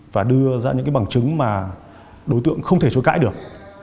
và đưa ra những bằng chứng mà đối tượng không thể chối cãi được